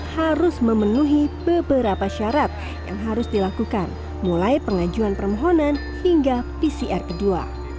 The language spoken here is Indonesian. harus memenuhi beberapa syarat yang harus dilakukan mulai pengajuan permohonan hingga pcr kedua